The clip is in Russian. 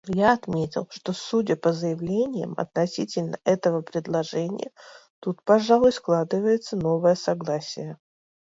Я отметил, что, судя по заявлениям относительно этого предложения, тут, пожалуй, складывается новое согласие.